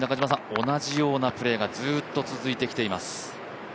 同じようなプレーがずっと続いてきています。